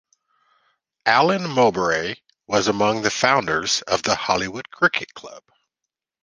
Alan Mowbray was among the founders of the Hollywood Cricket Club.